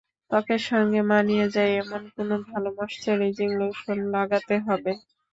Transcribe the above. ত্বকের সঙ্গে মানিয়ে যায় এমন কোনো ভালো ময়েশ্চারাইজিং লোশন লাগাতে হবে।